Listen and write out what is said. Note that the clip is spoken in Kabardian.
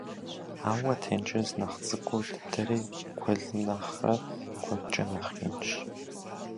Ауэ тенджыз нэхъ цӀыкӀу дыдэри гуэлым нэхърэ куэдкӀэ нэхъ инщ.